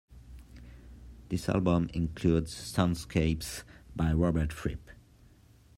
This album includes soundscapes by Robert Fripp.